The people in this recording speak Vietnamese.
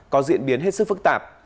có diễn biến hết sức phức tạp